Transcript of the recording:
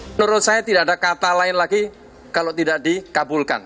menurut saya tidak ada kata lain lagi kalau tidak dikabulkan